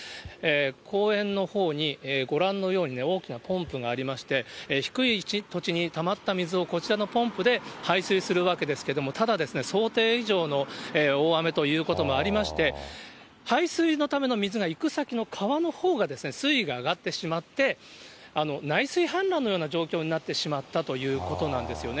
公園のほうに、ご覧のようにね、大きなポンプがありまして、低い土地にたまった水をこちらのポンプで排水するわけですけども、ただですね、想定以上の大雨ということもありまして、排水のための水が行く先の川のほうが、水位が上がってしまって、内水氾濫のような状況になってしまったということなんですよね。